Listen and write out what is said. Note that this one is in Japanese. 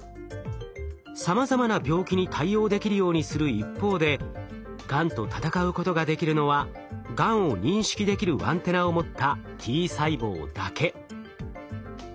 さまざまな病気に対応できるようにする一方でがんと闘うことができるのはがんを認識できるアンテナを持ったＴ細胞だけ。